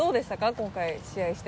今回試合して。